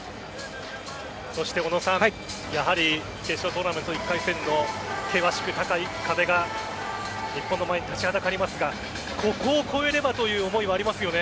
そして小野さんやはり決勝トーナメント１回戦の険しく高い壁が日本の前に立ちはだかりますがここを越えればという思いはありますよね。